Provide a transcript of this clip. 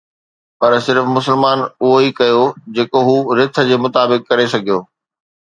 پر صرف مسلمان اهو ئي ڪيو جيڪو هو رٿ جي مطابق ڪري سگهيو